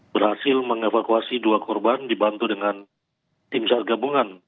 berhasil mengevakuasi dua korban dibantu dengan tim sar gabungan